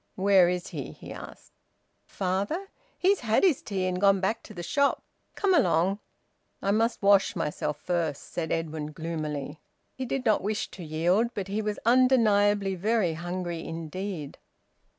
"Where is he?" he asked. "Father? He's had his tea and gone back to the shop. Come along." "I must wash myself first," said Edwin gloomily. He did not wish to yield, but he was undeniably very hungry indeed.